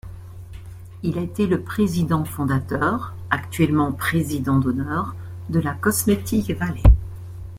Il a été le président fondateur, actuellement président d'honneur, de la Cosmetic valley.